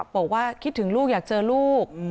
บอกว่าคิดถึงลูกอยากเจอลูก